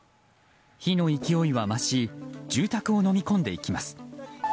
火の勢いは増し住宅をのみ込んでいきます。